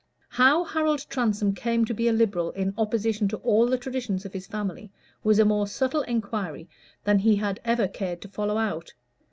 How Howard Transome came to be a Liberal in opposition to all the traditions of his family, was a more subtle enquiry than he had ever cared to follow out.